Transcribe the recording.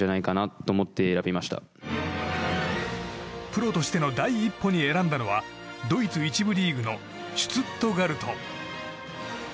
プロとしての第一歩に選んだのはドイツ１部リーグのシュツットガルト。